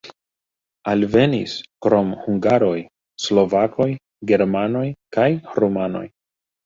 Alvenis krom hungaroj slovakoj, germanoj kaj rumanoj.